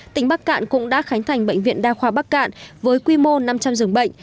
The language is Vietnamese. tỉnh bắc cạn cũng đã khánh thành bệnh viện đa khoa bắc cạn với quy mô năm trăm linh giường bệnh